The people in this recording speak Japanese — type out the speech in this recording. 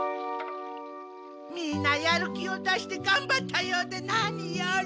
みんなやる気を出してがんばったようでなにより。